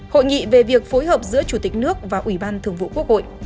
hội nghị về việc phối hợp giữa chủ tịch nước và ủy ban thường vụ quốc hội